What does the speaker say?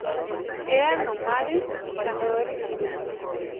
Eran nómades y cazadores a pie.